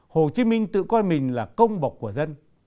hồ chí minh tự coi mình là công bọc của dân